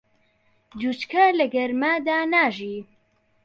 جوچکە لە گەرمادا ناژی.